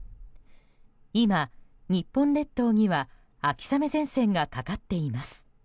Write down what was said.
今、日本列島には秋雨前線がかかっています。